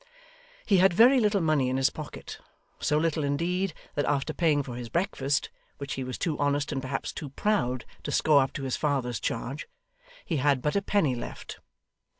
He had very little money in his pocket; so little indeed, that after paying for his breakfast (which he was too honest and perhaps too proud to score up to his father's charge) he had but a penny left.